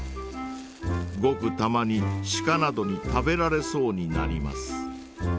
ごくたまにシカなどに食べられそうになります。